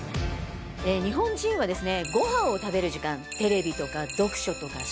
日本人はですね。